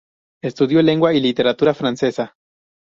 Estudió lengua y literatura francesa.